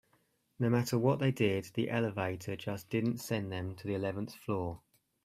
No matter what they did, the elevator just didn't send them to the eleventh floor.